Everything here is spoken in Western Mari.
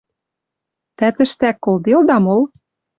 Тӓ тӹштӓк колделда мол?»